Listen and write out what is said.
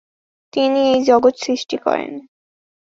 তিনি এই জগৎ সৃষ্টি করেন।